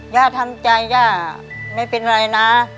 ย่าทำใจย่าไม่เป็นไรนะ